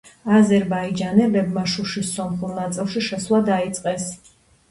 აზერბაიჯანელებმა შუშის სომხურ ნაწილში შესვლა დაიწყეს.